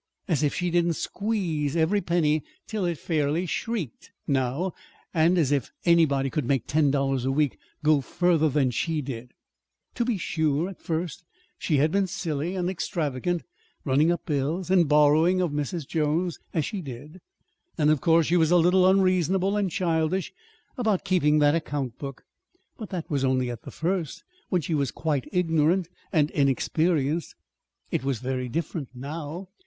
As if she didn't squeeze every penny till it fairly shrieked, now; and as if anybody could make ten dollars a week go further than she did! To be sure, at first she had been silly and extravagant, running up bills, and borrowing of Mrs. Jones, as she did. And of course she was a little unreasonable and childish about keeping that account book. But that was only at the first, when she was quite ignorant and inexperienced. It was very different now.